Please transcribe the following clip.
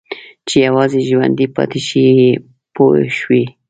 چې یوازې ژوندي پاتې شي پوه شوې!.